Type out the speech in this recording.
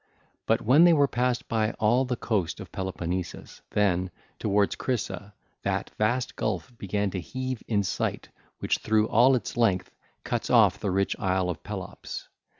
But when they were passed by all the coast of Peloponnesus, then, towards Crisa, that vast gulf began to heave in sight which through all its length cuts off the rich isle of Pelops.